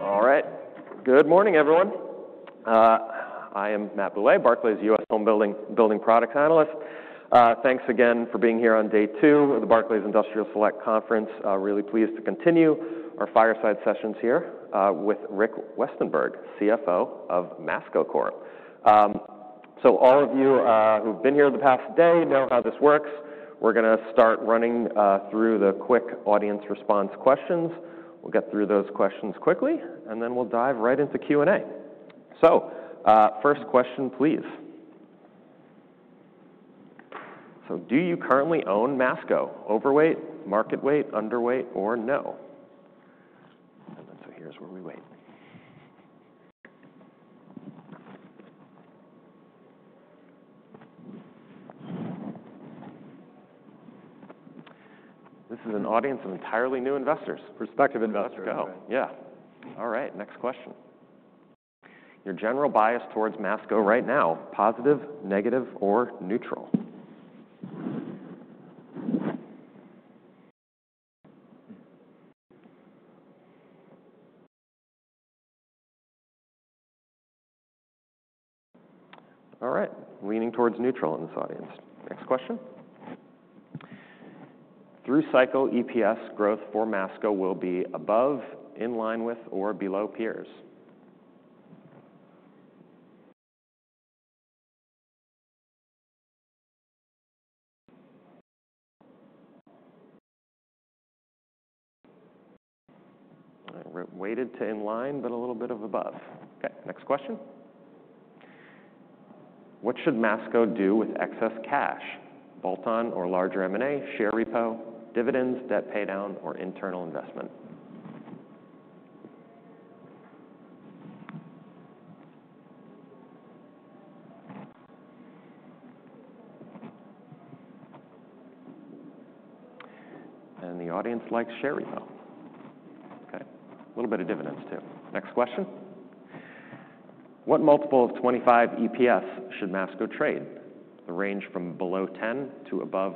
All right. Good morning, everyone. I am Matt Bouley, Barclays U.S. Homebuilding Product Analyst. Thanks again for being here on day two of the Barclays Industrial Select Conference. Really pleased to continue our fireside sessions here with Rick Westenberg, CFO of Masco Corp. So all of you who've been here the past day know how this works. We're going to start running through the quick audience response questions. We'll get through those questions quickly, and then we'll dive right into Q&A. So first question, please. So do you currently own Masco? Overweight, market weight, underweight, or no? And then so here's where we wait. This is an audience of entirely new investors. Prospective investors. Let's go. Yeah. All right. Next question. Your general bias towards Masco right now: positive, negative, or neutral? All right. Leaning towards neutral in this audience. Next question. Through cycle, EPS growth for Masco will be above, in line with, or below peers? Weighted to in line, but a little bit of above. Okay. Next question. What should Masco do with excess cash: bolt-on or larger M&A, share repo, dividends, debt paydown, or internal investment? And the audience likes share repo. Okay. A little bit of dividends, too. Next question. What multiple of 25 EPS should Masco trade, the range from below 10x to above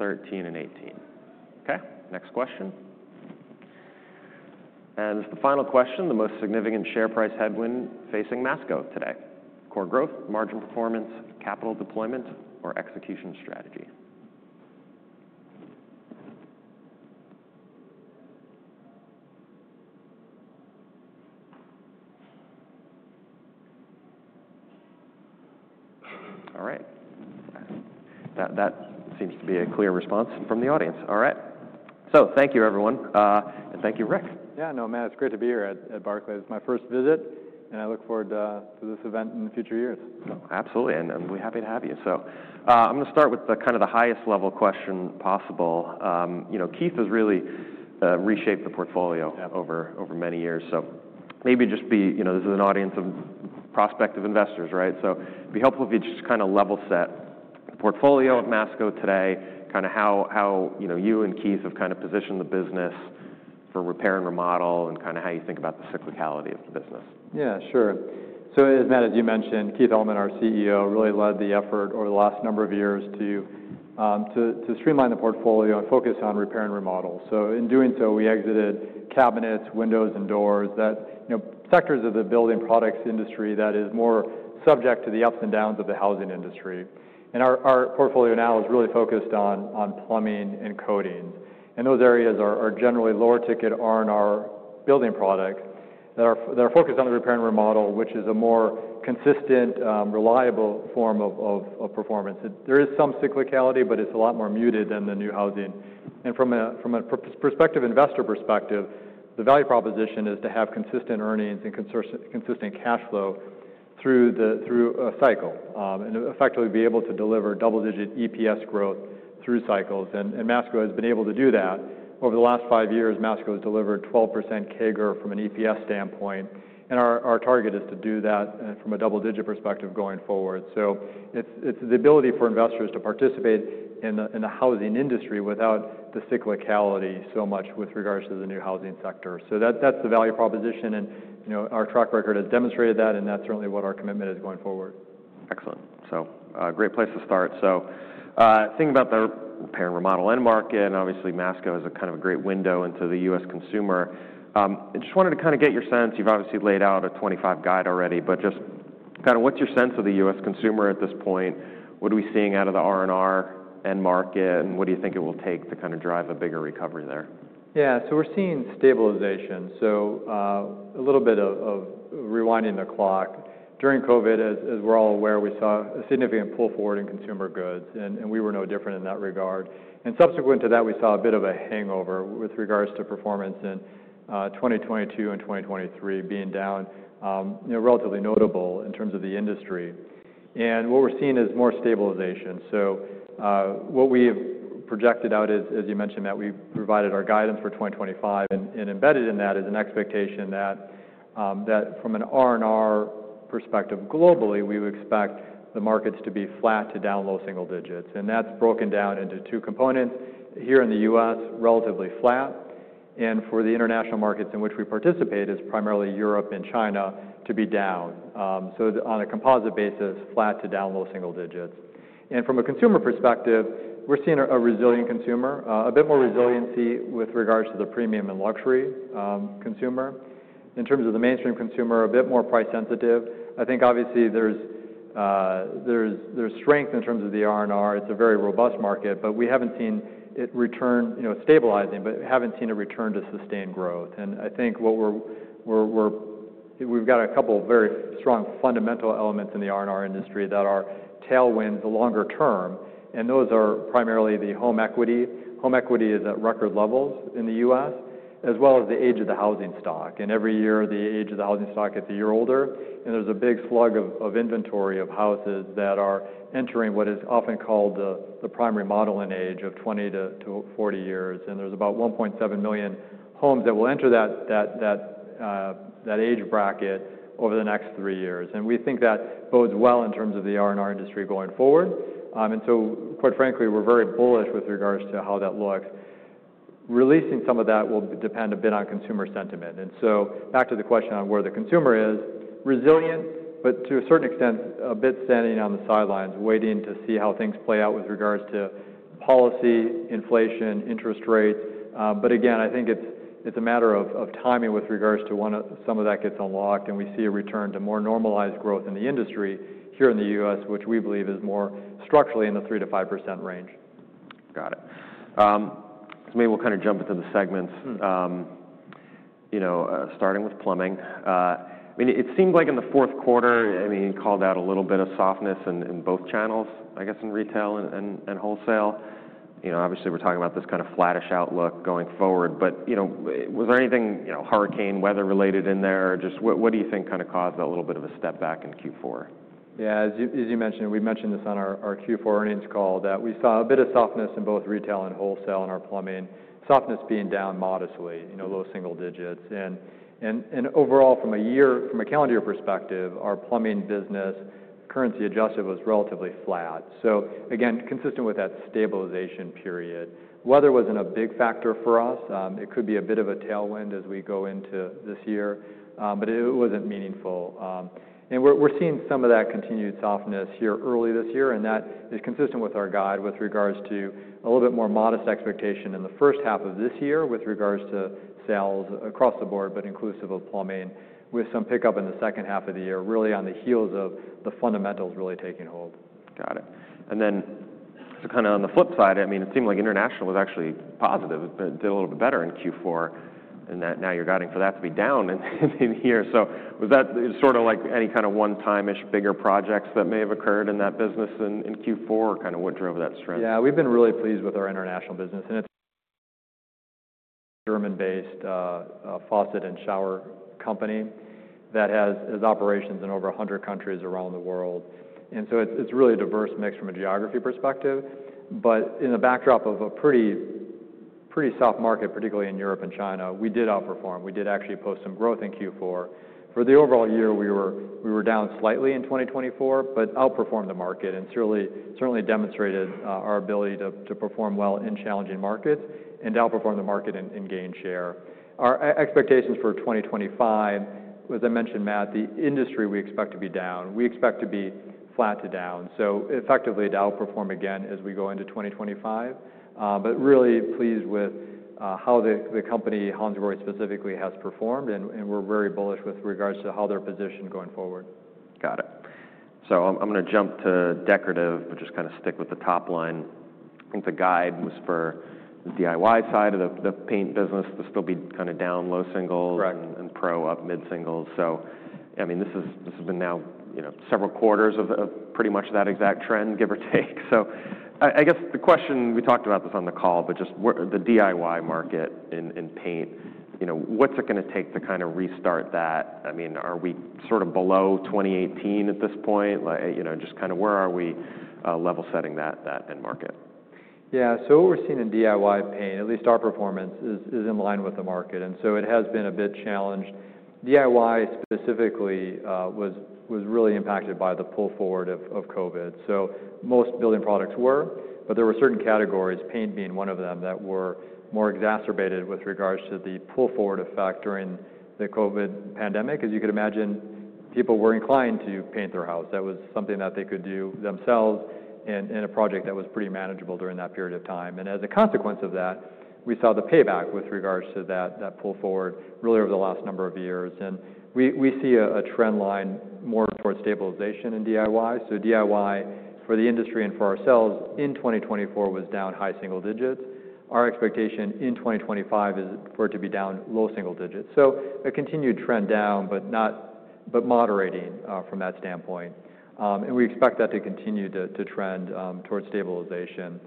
21x? And generally between 13x and 18x. Okay. Next question. And as the final question, the most significant share price headwind facing Masco today: core growth, margin performance, capital deployment, or execution strategy? All right. That seems to be a clear response from the audience. All right. So thank you, everyone. And thank you, Rick. Yeah. No, man, it's great to be here at Barclays. It's my first visit, and I look forward to this event in the future years. Absolutely. And we're happy to have you. So I'm going to start with kind of the highest level question possible. Keith has really reshaped the portfolio over many years. So maybe just be this is an audience of prospective investors, right? So it'd be helpful if you just kind of level set the portfolio of Masco today, kind of how you and Keith have kind of positioned the business for repair and remodel, and kind of how you think about the cyclicality of the business. Yeah, sure, so as Matt, as you mentioned, Keith Allman, our CEO, really led the effort over the last number of years to streamline the portfolio and focus on repair and remodel, so in doing so, we exited cabinets, windows, and doors, sectors of the building products industry that is more subject to the ups and downs of the housing industry, and our portfolio now is really focused on plumbing and coatings, and those areas are generally lower ticket R&R building products that are focused on the repair and remodel, which is a more consistent, reliable form of performance. There is some cyclicality, but it's a lot more muted than the new housing, and from a prospective investor perspective, the value proposition is to have consistent earnings and consistent cash flow through a cycle and effectively be able to deliver double-digit EPS growth through cycles. Masco has been able to do that. Over the last five years, Masco has delivered 12% CAGR from an EPS standpoint. Our target is to do that from a double-digit perspective going forward. It's the ability for investors to participate in the housing industry without the cyclicality so much with regards to the new housing sector. That's the value proposition. Our track record has demonstrated that, and that's certainly what our commitment is going forward. Excellent. So, great place to start. So, thinking about the repair and remodel end market, and obviously Masco is a kind of a great window into the U.S. consumer. I just wanted to kind of get your sense. You've obviously laid out a 2025 guide already, but just kind of what's your sense of the U.S. consumer at this point? What are we seeing out of the R&R end market, and what do you think it will take to kind of drive a bigger recovery there? Yeah. So we're seeing stabilization. So a little bit of rewinding the clock. During COVID, as we're all aware, we saw a significant pull forward in consumer goods, and we were no different in that regard. And subsequent to that, we saw a bit of a hangover with regards to performance in 2022 and 2023 being down relatively notable in terms of the industry. And what we're seeing is more stabilization. So what we have projected out is, as you mentioned, Matt, we provided our guidance for 2025. And embedded in that is an expectation that from an R&R perspective globally, we would expect the markets to be flat to down low single digits. And that's broken down into two components. Here in the U.S., relatively flat. And for the international markets in which we participate, it's primarily Europe and China to be down. So on a composite basis, flat to down low single digits. And from a consumer perspective, we're seeing a resilient consumer, a bit more resiliency with regards to the premium and luxury consumer. In terms of the mainstream consumer, a bit more price sensitive. I think obviously there's strength in terms of the R&R. It's a very robust market, but we haven't seen a return to sustained growth. And I think we've got a couple of very strong fundamental elements in the R&R industry that are tailwinds longer term. And those are primarily the home equity. Home equity is at record levels in the U.S., as well as the age of the housing stock. And every year, the age of the housing stock gets a year older. There's a big slug of inventory of houses that are entering what is often called the primary remodeling age of 20-40 years. There's about 1.7 million homes that will enter that age bracket over the next three years. We think that bodes well in terms of the R&R industry going forward. Quite frankly, we're very bullish with regards to how that looks. Releasing some of that will depend a bit on consumer sentiment. Back to the question on where the consumer is: resilient, but to a certain extent a bit standing on the sidelines waiting to see how things play out with regards to policy, inflation, interest rates. But again, I think it's a matter of timing with regards to when some of that gets unlocked and we see a return to more normalized growth in the industry here in the U.S., which we believe is more structurally in the 3%-5% range. Got it. So maybe we'll kind of jump into the segments, starting with plumbing. I mean, it seemed like in the fourth quarter, I mean, you called out a little bit of softness in both channels, I guess, in retail and wholesale. Obviously, we're talking about this kind of flattish outlook going forward. But was there anything hurricane weather related in there? Just what do you think kind of caused that little bit of a step back in Q4? Yeah. As you mentioned, we mentioned this on our Q4 earnings call, that we saw a bit of softness in both retail and wholesale in our plumbing, softness being down modestly, low single digits. And overall, from a calendar perspective, our plumbing business, currency adjusted, was relatively flat. So again, consistent with that stabilization period. Weather wasn't a big factor for us. It could be a bit of a tailwind as we go into this year, but it wasn't meaningful. And we're seeing some of that continued softness here early this year. And that is consistent with our guide with regards to a little bit more modest expectation in the first half of this year with regards to sales across the board, but inclusive of plumbing, with some pickup in the second half of the year, really on the heels of the fundamentals really taking hold. Got it. And then so kind of on the flip side, I mean, it seemed like international was actually positive. It did a little bit better in Q4. And now you're guiding for that to be down in here. So was that sort of like any kind of one-time-ish bigger projects that may have occurred in that business in Q4? Kind of what drove that strength? Yeah. We've been really pleased with our international business. It's a German-based faucet and shower company that has operations in over 100 countries around the world. So it's really a diverse mix from a geography perspective. But in the backdrop of a pretty soft market, particularly in Europe and China, we did outperform. We did actually post some growth in Q4. For the overall year, we were down slightly in 2024, but outperformed the market and certainly demonstrated our ability to perform well in challenging markets and outperform the market in gain share. Our expectations for 2025, as I mentioned, Matt, the industry we expect to be down. We expect to be flat to down. So effectively to outperform again as we go into 2025. We're really pleased with how the company Hansgrohe specifically has performed. We're very bullish with regards to how they're positioned going forward. Got it. So I'm going to jump to decorative, but just kind of stick with the top line. I think the guide was for the DIY side of the paint business to still be kind of down low singles and PRO up mid singles. So I mean, this has been now several quarters of pretty much that exact trend, give or take. So I guess the question, we talked about this on the call, but just the DIY market in paint, what's it going to take to kind of restart that? I mean, are we sort of below 2018 at this point? Just kind of where are we level setting that end market? Yeah. So what we're seeing in DIY paint, at least our performance, is in line with the market, and so it has been a bit challenged. DIY specifically was really impacted by the pull forward of COVID, so most building products were, but there were certain categories, paint being one of them, that were more exacerbated with regards to the pull forward effect during the COVID pandemic. As you could imagine, people were inclined to paint their house. That was something that they could do themselves in a project that was pretty manageable during that period of time, and as a consequence of that, we saw the payback with regards to that pull forward really over the last number of years, and we see a trend line more towards stabilization in DIY, so DIY for the industry and for ourselves in 2024 was down high single digits. Our expectation in 2025 is for it to be down low single digits, so a continued trend down, but moderating from that standpoint, and we expect that to continue to trend towards stabilization,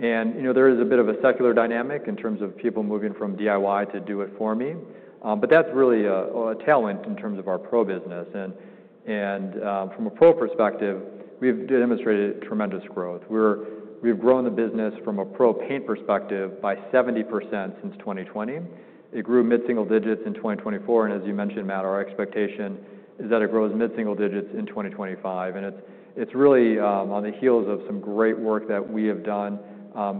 and there is a bit of a secular dynamic in terms of people moving from DIY to do it for me, but that's really a tailwind in terms of our PRO business, and from a PRO perspective, we've demonstrated tremendous growth. We've grown the business from a PRO paint perspective by 70% since 2020. It grew mid single digits in 2024, and as you mentioned, Matt, our expectation is that it grows mid single digits in 2025, and it's really on the heels of some great work that we have done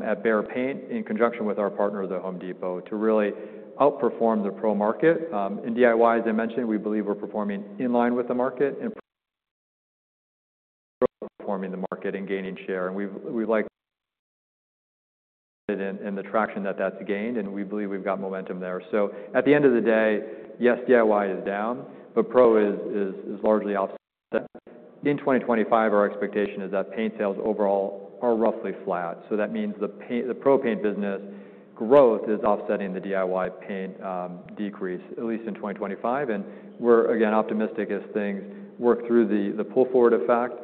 at Behr Paint in conjunction with our partner, The Home Depot, to really outperform the PRO market. In DIY, as I mentioned, we believe we're performing in line with the market and outperforming the market and gaining share, and we've liked it and the traction that that's gained, and we believe we've got momentum there, so at the end of the day, yes, DIY is down, but PRO is largely offset. In 2025, our expectation is that paint sales overall are roughly flat, so that means the PRO paint business growth is offsetting the DIY paint decrease, at least in 2025, and we're again optimistic as things work through the pull forward effect,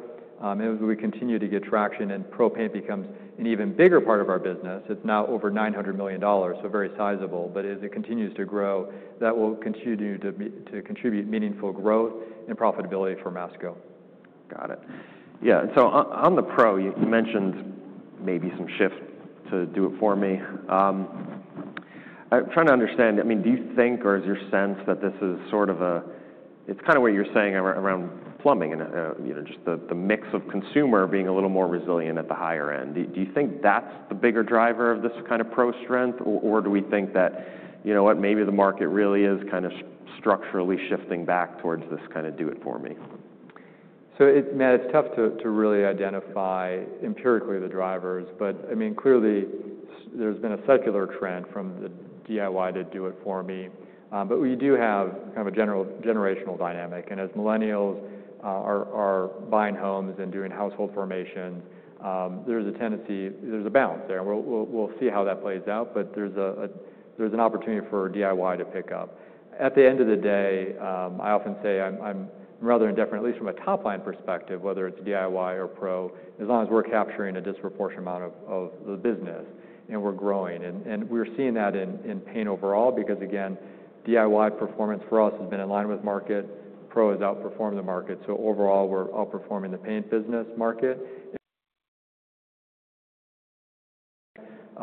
and as we continue to get traction and PRO paint becomes an even bigger part of our business, it's now over $900 million, so very sizable, but as it continues to grow, that will continue to contribute meaningful growth and profitability for Masco. Got it. Yeah. So on the PRO, you mentioned maybe some shift to do it for me. I'm trying to understand, I mean, do you think or is your sense that this is sort of a, it's kind of what you're saying around plumbing and just the mix of consumer being a little more resilient at the higher end. Do you think that's the bigger driver of this kind of PRO strength? Or do we think that, you know what, maybe the market really is kind of structurally shifting back towards this kind of do it for me? Matt, it's tough to really identify empirically the drivers. But I mean, clearly there's been a secular trend from the DIY to do it for me. But we do have kind of a generational dynamic. And as millennials are buying homes and doing household formations, there's a tendency, there's a balance there. We'll see how that plays out, but there's an opportunity for DIY to pick up. At the end of the day, I often say I'm rather indifferent, at least from a top line perspective, whether it's DIY or PRO, as long as we're capturing a disproportionate amount of the business and we're growing. And we're seeing that in paint overall because again, DIY performance for us has been in line with market. Pro has outperformed the market. So overall, we're outperforming the paint business market.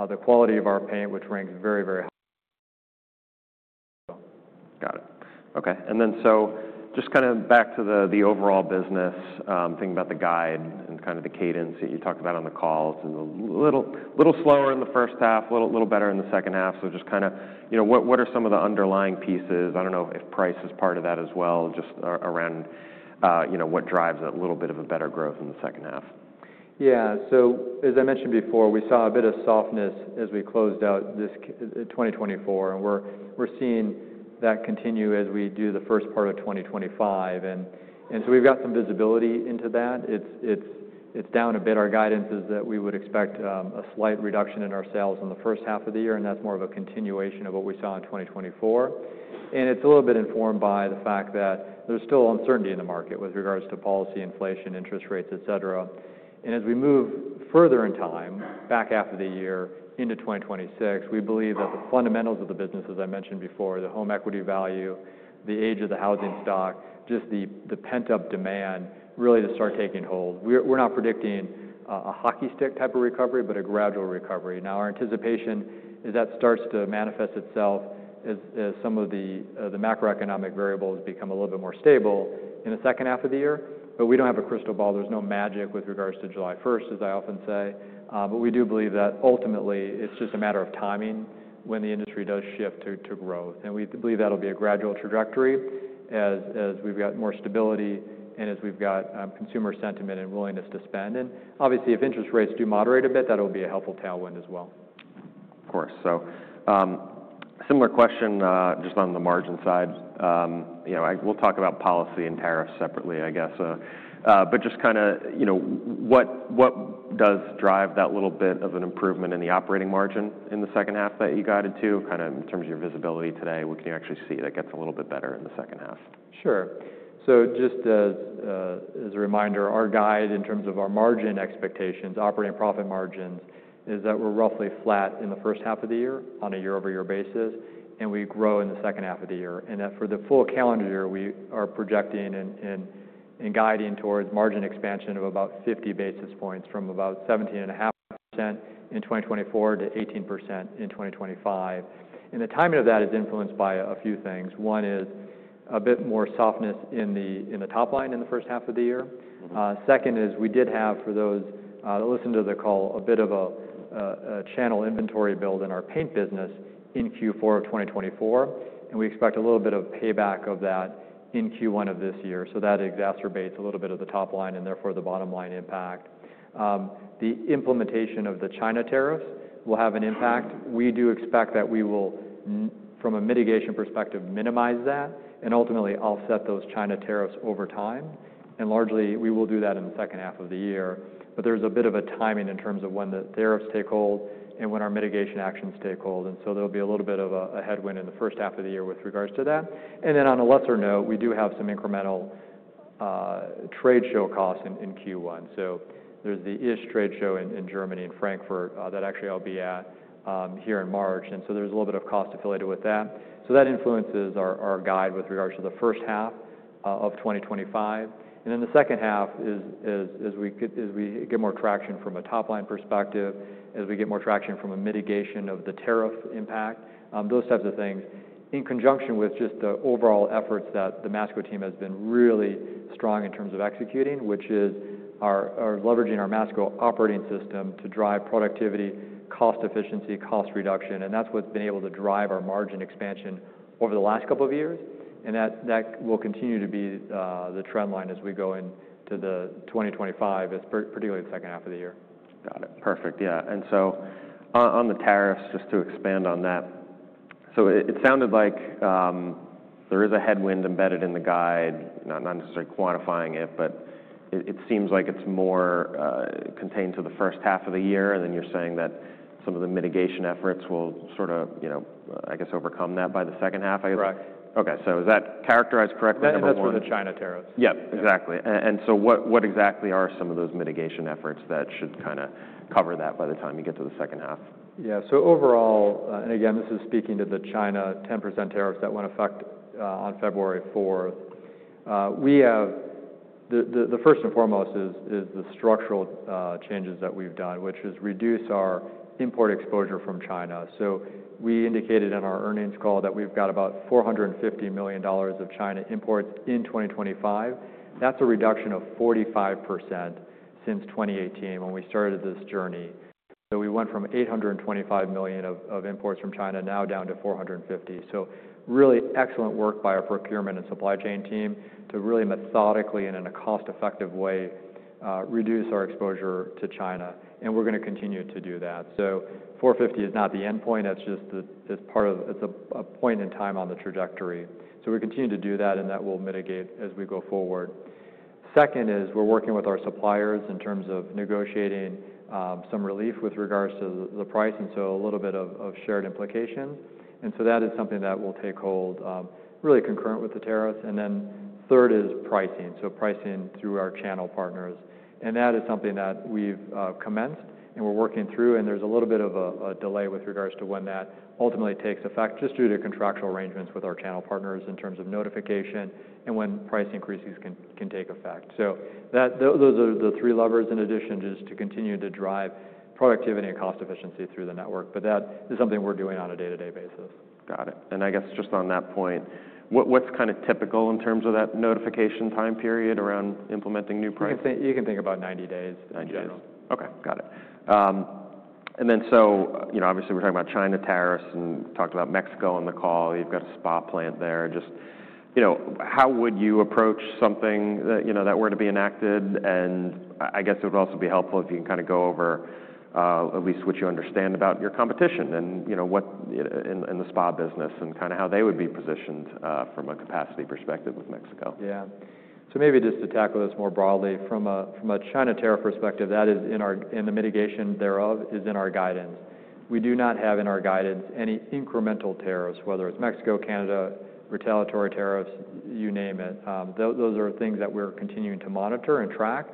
The quality of our paint, which ranks very, very high. Got it. Okay. And then so just kind of back to the overall business, thinking about the guide and kind of the cadence that you talked about on the call. It's a little slower in the first half, a little better in the second half. So just kind of what are some of the underlying pieces? I don't know if price is part of that as well, just around what drives that little bit of a better growth in the second half. Yeah. So as I mentioned before, we saw a bit of softness as we closed out 2024. And we're seeing that continue as we do the first part of 2025. And so we've got some visibility into that. It's down a bit. Our guidance is that we would expect a slight reduction in our sales in the first half of the year. And that's more of a continuation of what we saw in 2024. And it's a little bit informed by the fact that there's still uncertainty in the market with regards to policy, inflation, interest rates, etc. And as we move further in time, back after the year into 2026, we believe that the fundamentals of the business, as I mentioned before, the home equity value, the age of the housing stock, just the pent-up demand really to start taking hold. We're not predicting a hockey stick type of recovery, but a gradual recovery. Now our anticipation is that starts to manifest itself as some of the macroeconomic variables become a little bit more stable in the second half of the year, but we don't have a crystal ball. There's no magic with regards to July 1st, as I often say, but we do believe that ultimately it's just a matter of timing when the industry does shift to growth, and we believe that'll be a gradual trajectory as we've got more stability and as we've got consumer sentiment and willingness to spend, and obviously, if interest rates do moderate a bit, that'll be a helpful tailwind as well. Of course. So similar question just on the margin side. We'll talk about policy and tariffs separately, I guess. But just kind of what does drive that little bit of an improvement in the operating margin in the second half that you guided to? Kind of in terms of your visibility today, what can you actually see that gets a little bit better in the second half? Sure. So just as a reminder, our guide in terms of our margin expectations, operating profit margins, is that we're roughly flat in the first half of the year on a year-over-year basis. And we grow in the second half of the year. And for the full calendar year, we are projecting and guiding towards margin expansion of about 50 basis points from about 17.5% in 2024 to 18% in 2025. And the timing of that is influenced by a few things. One is a bit more softness in the top line in the first half of the year. Second is we did have, for those that listened to the call, a bit of a channel inventory build in our paint business in Q4 of 2024. And we expect a little bit of payback of that in Q1 of this year. So that exacerbates a little bit of the top line and therefore the bottom line impact. The implementation of the China tariffs will have an impact. We do expect that we will, from a mitigation perspective, minimize that and ultimately offset those China tariffs over time. And largely, we will do that in the second half of the year. But there's a bit of a timing in terms of when the tariffs take hold and when our mitigation actions take hold. And so there'll be a little bit of a headwind in the first half of the year with regards to that. And then on a lesser note, we do have some incremental trade show costs in Q1. So there's the ISH trade show in Germany and Frankfurt that actually I'll be at here in March. And so there's a little bit of cost affiliated with that. So that influences our guide with regards to the first half of 2025. And then the second half, as we get more traction from a top line perspective, as we get more traction from a mitigation of the tariff impact, those types of things, in conjunction with just the overall efforts that the Masco team has been really strong in terms of executing, which is leveraging our Masco Operating System to drive productivity, cost efficiency, cost reduction. And that's what's been able to drive our margin expansion over the last couple of years. And that will continue to be the trend line as we go into 2025, particularly the second half of the year. Got it. Perfect. Yeah. And so on the tariffs, just to expand on that. So it sounded like there is a headwind embedded in the guide, not necessarily quantifying it, but it seems like it's more contained to the first half of the year. And then you're saying that some of the mitigation efforts will sort of, I guess, overcome that by the second half. Correct. Okay. So is that characterized correctly? That's for the China tariffs. Yep. Exactly. And so what exactly are some of those mitigation efforts that should kind of cover that by the time you get to the second half? Yeah. So overall, and again, this is speaking to the China 10% tariffs that went into effect on February 4th. The first and foremost is the structural changes that we've done, which has reduced our import exposure from China. So we indicated in our earnings call that we've got about $450 million of China imports in 2025. That's a reduction of 45% since 2018 when we started this journey. So we went from $825 million of imports from China now down to 450. So really excellent work by our procurement and supply chain team to really methodically and in a cost-effective way reduce our exposure to China. And we're going to continue to do that. So 450 is not the endpoint. It's just a point in time on the trajectory. So we continue to do that and that will mitigate as we go forward. Second is, we're working with our suppliers in terms of negotiating some relief with regards to the price and so a little bit of shared implications. And so that is something that will take hold really concurrent with the tariffs. And then third is pricing. So pricing through our channel partners. And that is something that we've commenced and we're working through. And there's a little bit of a delay with regards to when that ultimately takes effect just due to contractual arrangements with our channel partners in terms of notification and when price increases can take effect. So those are the three levers in addition just to continue to drive productivity and cost efficiency through the network. But that is something we're doing on a day-to-day basis. Got it. And I guess just on that point, what's kind of typical in terms of that notification time period around implementing new prices? You can think about 90 days in general. 90 days. Okay. Got it, and then so obviously we're talking about China tariffs and talked about Mexico on the call. You've got a spa plant there. Just how would you approach something that were to be enacted, and I guess it would also be helpful if you can kind of go over at least what you understand about your competition and in the spa business and kind of how they would be positioned from a capacity perspective with Mexico. Yeah. So maybe just to tackle this more broadly, from a China tariff perspective, that is in the mitigation thereof is in our guidance. We do not have in our guidance any incremental tariffs, whether it's Mexico, Canada, retaliatory tariffs, you name it. Those are things that we're continuing to monitor and track.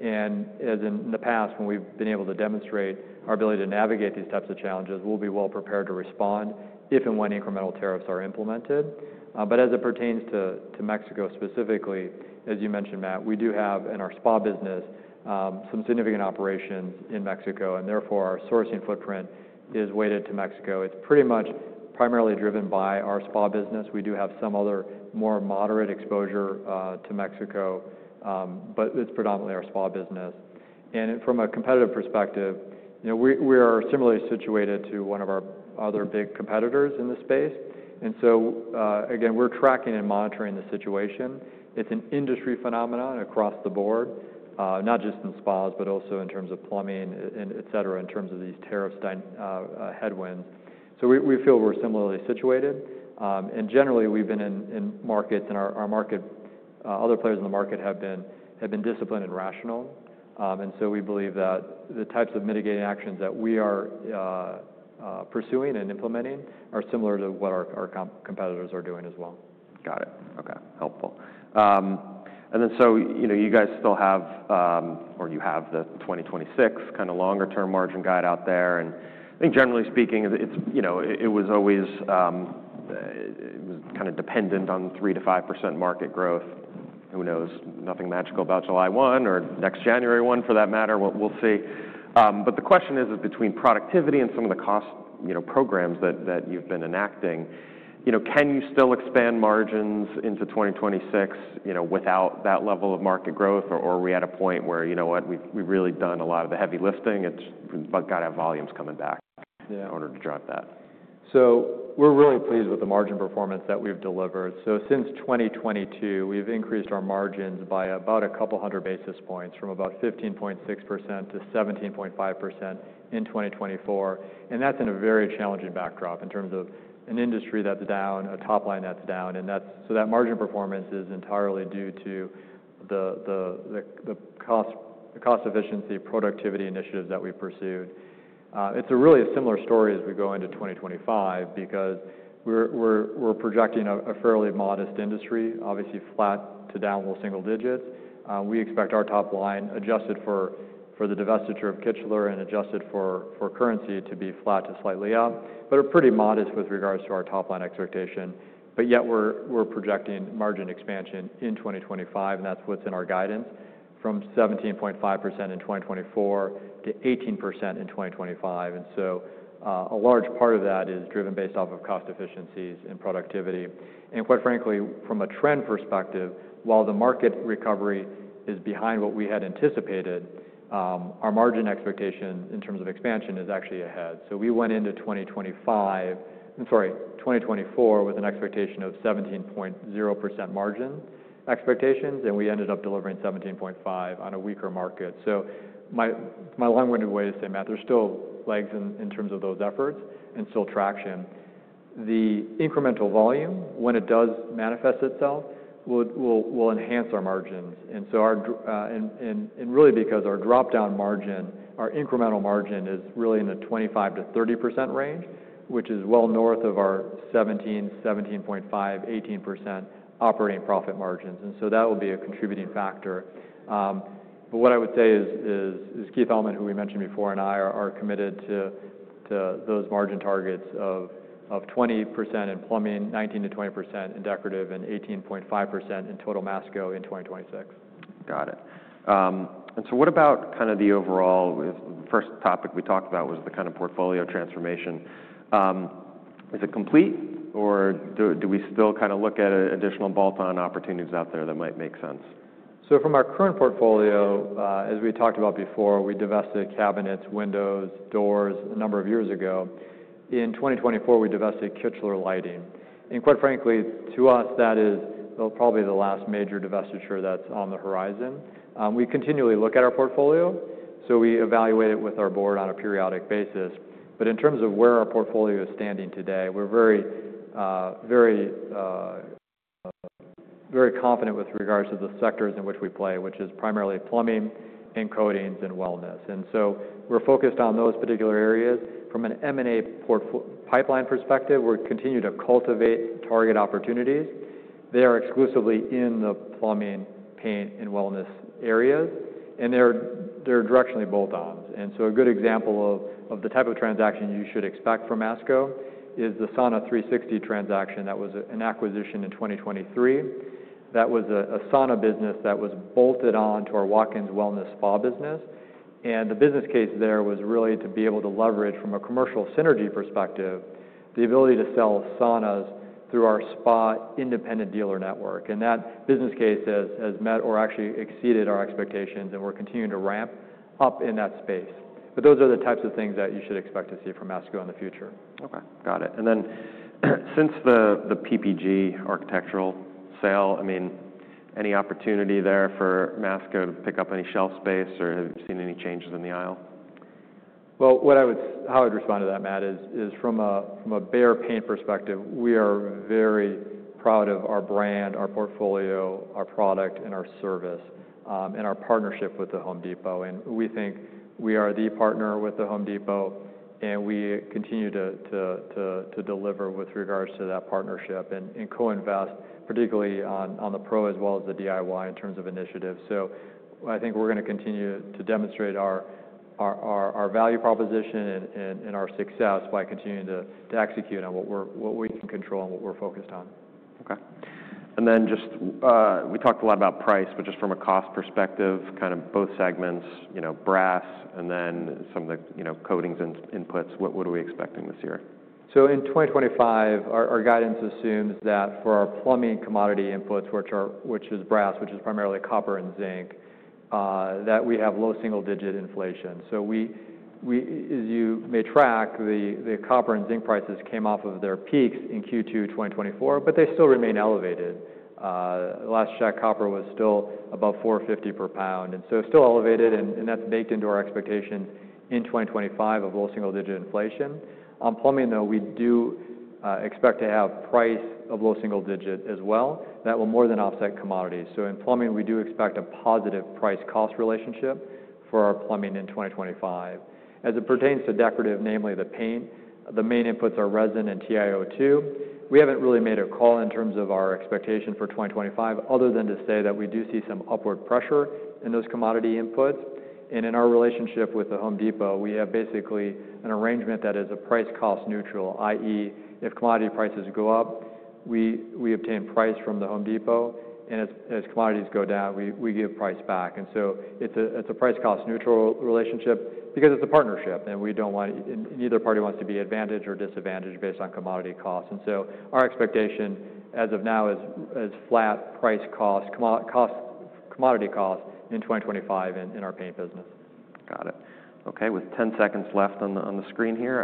And as in the past, when we've been able to demonstrate our ability to navigate these types of challenges, we'll be well prepared to respond if and when incremental tariffs are implemented. But as it pertains to Mexico specifically, as you mentioned, Matt, we do have in our spa business some significant operations in Mexico. And therefore, our sourcing footprint is weighted to Mexico. It's pretty much primarily driven by our spa business. We do have some other more moderate exposure to Mexico, but it's predominantly our spa business. And from a competitive perspective, we are similarly situated to one of our other big competitors in the space. And so again, we're tracking and monitoring the situation. It's an industry phenomenon across the board, not just in spas, but also in terms of plumbing, etc., in terms of these tariffs headwinds. So we feel we're similarly situated. And generally, we've been in markets and our market, other players in the market have been disciplined and rational. And so we believe that the types of mitigating actions that we are pursuing and implementing are similar to what our competitors are doing as well. Got it. Okay. Helpful. And then so you guys still have, or you have the 2026 kind of longer-term margin guide out there. And I think generally speaking, it was always kind of dependent on 3%-5% market growth. Who knows? Nothing magical about July 1 or next January 1 for that matter. We'll see. But the question is, between productivity and some of the cost programs that you've been enacting, can you still expand margins into 2026 without that level of market growth? Or are we at a point where, you know what, we've really done a lot of the heavy lifting? We've got to have volumes coming back in order to drive that. We're really pleased with the margin performance that we've delivered. Since 2022, we've increased our margins by about a couple hundred basis points from about 15.6% to 17.5% in 2024. That's in a very challenging backdrop in terms of an industry that's down, a top line that's down. That margin performance is entirely due to the cost efficiency, productivity initiatives that we've pursued. It's really a similar story as we go into 2025 because we're projecting a fairly modest industry, obviously flat to down little single digits. We expect our top line adjusted for the divestiture of Kichler and adjusted for currency to be flat to slightly up, but are pretty modest with regards to our top line expectation. Yet we're projecting margin expansion in 2025. That's what's in our guidance from 17.5% in 2024 to 18% in 2025. And so a large part of that is driven based off of cost efficiencies and productivity. And quite frankly, from a trend perspective, while the market recovery is behind what we had anticipated, our margin expectation in terms of expansion is actually ahead. So we went into 2024 with an expectation of 17.0% margin expectations, and we ended up delivering 17.5% on a weaker market. So my long-winded way to say, Matt, there's still legs in terms of those efforts and still traction. The incremental volume, when it does manifest itself, will enhance our margins. And so really because our dropdown margin, our incremental margin is really in the 25%-30% range, which is well north of our 17%, 17.5%, 18% operating profit margins. And so that will be a contributing factor. What I would say is Keith Allman, who we mentioned before, and I are committed to those margin targets of 20% in plumbing, 19%-20% in decorative, and 18.5% in total Masco in 2026. Got it. And so what about kind of the overall first topic we talked about, was the kind of portfolio transformation. Is it complete or do we still kind of look at additional bolt-on opportunities out there that might make sense? So from our current portfolio, as we talked about before, we divested cabinets, windows, doors a number of years ago. In 2024, we divested Kichler Lighting. And quite frankly, to us, that is probably the last major divestiture that's on the horizon. We continually look at our portfolio. So we evaluate it with our board on a periodic basis. But in terms of where our portfolio is standing today, we're very confident with regards to the sectors in which we play, which is primarily plumbing, coatings, and wellness. And so we're focused on those particular areas. From an M&A pipeline perspective, we're continuing to cultivate target opportunities. They are exclusively in the plumbing, paint, and wellness areas. And they're directionally bolt-ons. And so a good example of the type of transaction you should expect from Masco is the Sauna360 transaction that was an acquisition in 2023. That was a sauna business that was bolted on to our Watkins Wellness spa business. And the business case there was really to be able to leverage, from a commercial synergy perspective, the ability to sell saunas through our spa independent dealer network. And that business case has met or actually exceeded our expectations, and we're continuing to ramp up in that space. But those are the types of things that you should expect to see from Masco in the future. Okay. Got it. And then since the PPG architectural sale, I mean, any opportunity there for Masco to pick up any shelf space or have you seen any changes in the aisle? How I'd respond to that, Matt, is from a Behr paint perspective, we are very proud of our brand, our portfolio, our product, and our service and our partnership with The Home Depot. We think we are the partner with The Home Depot, and we continue to deliver with regards to that partnership and co-invest, particularly on the PRO as well as the DIY in terms of initiative. I think we're going to continue to demonstrate our value proposition and our success by continuing to execute on what we can control and what we're focused on. Okay. And then just we talked a lot about price, but just from a cost perspective, kind of both segments, brass, and then some of the coatings and inputs, what are we expecting this year? In 2025, our guidance assumes that for our plumbing commodity inputs, which is brass, which is primarily copper and zinc, that we have low single-digit inflation. So as you may track, the copper and zinc prices came off of their peaks in Q2 2024, but they still remain elevated. Last check, copper was still above $4.50 per pound. And so still elevated, and that's baked into our expectations in 2025 of low single-digit inflation. On plumbing, though, we do expect to have price of low single digit as well. That will more than offset commodities. So in plumbing, we do expect a positive price-cost relationship for our plumbing in 2025. As it pertains to decorative, namely the paint, the main inputs are resin and TiO2. We haven't really made a call in terms of our expectation for 2025 other than to say that we do see some upward pressure in those commodity inputs, and in our relationship with The Home Depot, we have basically an arrangement that is a price-cost neutral, i.e., if commodity prices go up, we obtain price from The Home Depot, and as commodities go down, we give price back, and so it's a price-cost neutral relationship because it's a partnership, and neither party wants to be advantaged or disadvantaged based on commodity costs, and so our expectation as of now is flat price-cost commodity cost in 2025 in our paint business. Got it. Okay. With 10 seconds left on the screen here,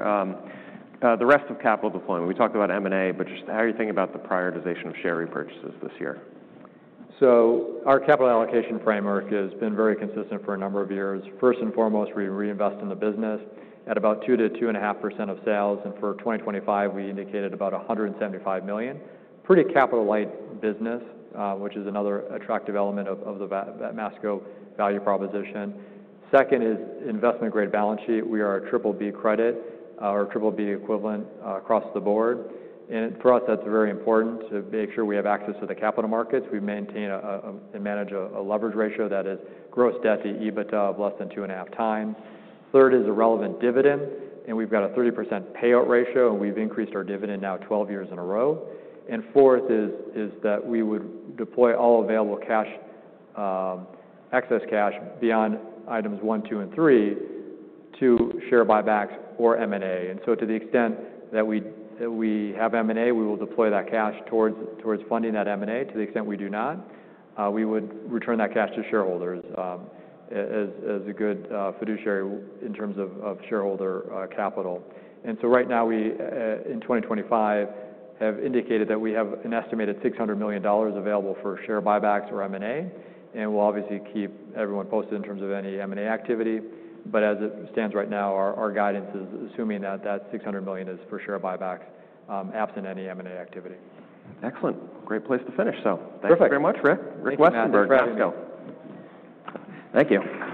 the rest of capital deployment, we talked about M&A, but just how are you thinking about the prioritization of share repurchases this year? Our capital allocation framework has been very consistent for a number of years. First and foremost, we reinvest in the business at about 2%-2.5% of sales. And for 2025, we indicated about $175 million. Pretty capital-light business, which is another attractive element of the Masco value proposition. Second is investment-grade balance sheet. We are a BBB credit or BBB equivalent across the board. And for us, that's very important to make sure we have access to the capital markets. We maintain and manage a leverage ratio that is gross debt to EBITDA of less than 2.5x. Third is a relevant dividend, and we've got a 30% payout ratio, and we've increased our dividend now 12 years in a row. And fourth is that we would deploy all available excess cash beyond items one, two, and three to share buybacks or M&A. And so to the extent that we have M&A, we will deploy that cash towards funding that M&A. To the extent we do not, we would return that cash to shareholders as a good fiduciary in terms of shareholder capital. And so right now, in 2025, we have indicated that we have an estimated $600 million available for share buybacks or M&A. And we'll obviously keep everyone posted in terms of any M&A activity. But as it stands right now, our guidance is assuming that that $600 million is for share buybacks absent any M&A activity. Excellent. Great place to finish. So thanks very much, Rick Westenberg at Masco. Thank you.